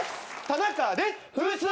田中です。